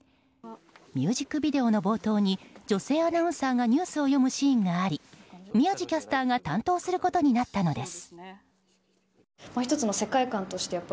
ミュージックビデオの冒頭に女性アナウンサーがニュースを読むシーンがあり宮司キャスターが担当することになったのです。